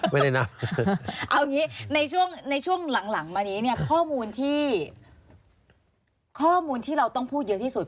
เอาอย่างงี้ในช่วงหลังมานี้เนี่ยข้อมูลที่เราต้องพูดเยอะที่สุด